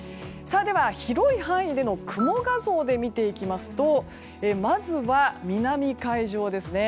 広い範囲での雲画像で見ていきますとまずは、南海上です。